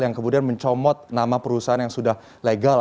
yang kemudian mencomot nama perusahaan yang sudah legal